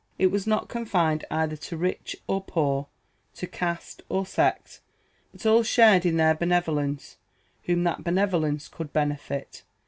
It was not confined either to rich or poor, to caste or sect; but all shared in their benevolence whom that benevolence could benefit.